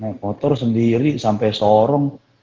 eh naik motor sendiri sampe sorong